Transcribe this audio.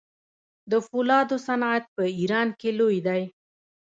د فولادو صنعت په ایران کې لوی دی.